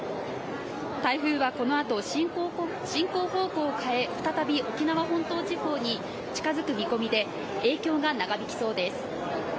台風はこのあと進行方向を変え再び沖縄本島地方に近づく見込みで影響が長引きそうです。